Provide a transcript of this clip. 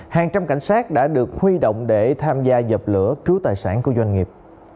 hàng trăm cảnh sát đã được huy động để tham gia dập lửa cứu tài sản của doanh nghiệp